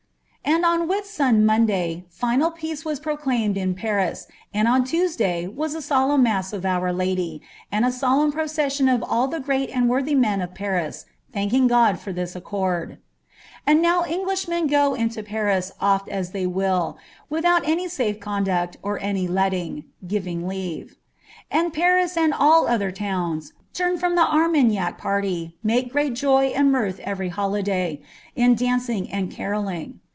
And on Wittund Monday final peace was proclaimed in Pans, and on Tues day was a solemn mass of Our Lady, and a solemn procession of all tlie great ■nd worthy men of Paris, thanking God for tliis acconl. And now Englishmen go into Paris ofl a5 they will, witliout any safe con duct or any letting (giving leave). And Paris and all other towns, turned from die Armagnac party, make great joy and mirth every holiday, in dancing and DBiolling.